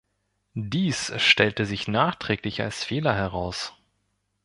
Dies stellte sich nachträglich als Fehler heraus.